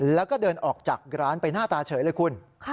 แล้วก็เดินออกจากร้านไปหน้าตาเฉยเลยคุณ